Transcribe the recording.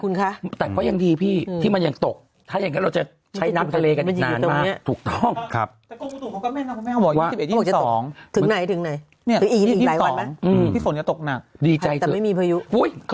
โอ้ยเขาบอกว่าน้ำโขงสูงด้วยแหละตอนเนี้ย